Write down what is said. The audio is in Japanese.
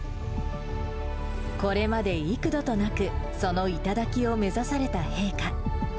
これまで幾度となく、その頂を目指された陛下。